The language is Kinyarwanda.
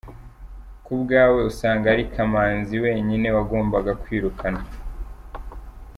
Ku bwawe usanga ari Kamanzi wenyine wagombaga kwirukanwa?